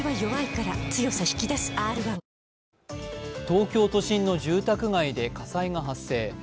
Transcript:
東京都心の住宅街で火災が発生。